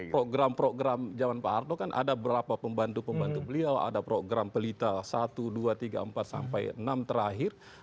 program program zaman pak harto kan ada berapa pembantu pembantu beliau ada program pelita satu dua tiga empat sampai enam terakhir